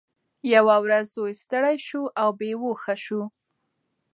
یوه ورځ زوی ستړی شو او بېهوښه شو.